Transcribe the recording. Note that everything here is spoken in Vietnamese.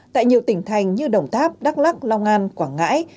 tại nhiều tỉnh thành như đồng tháp đắk lắc long an quảng ngãi